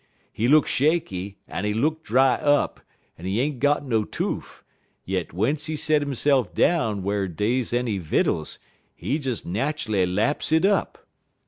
He look shaky, en he look dry up, en he ain't got no toof, yit w'ence he set hisse'f down whar dey any vittles, he des nat'ally laps hit up.